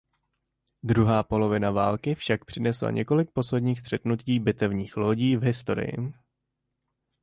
Druhá polovina války však přinesla několik posledních střetnutí bitevních lodí v historii.